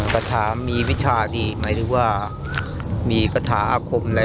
กระถามีวิชาดีหมายถึงว่ามีกระถาอาคมอะไร